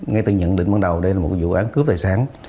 ngay từ nhận định ban đầu đây là một vụ án cướp tài sản